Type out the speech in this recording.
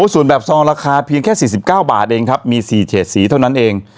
ส่วนแบบซองราคาเพียงแค่๔๙บาทเองครับมี๔เฉดสีเท่านั้นเอง